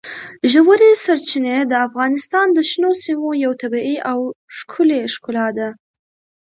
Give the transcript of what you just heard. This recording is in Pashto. ژورې سرچینې د افغانستان د شنو سیمو یوه طبیعي او ښکلې ښکلا ده.